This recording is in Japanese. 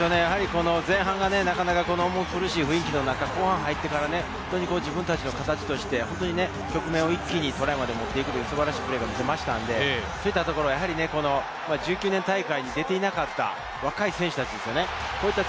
前半がなかなか苦しい雰囲気の中、後半に入ってから自分たちの形として局面を一気にトライまで持っていくという素晴らしいプレーが見せましたんで、１９年大会にでていなかった若い選手たちですね。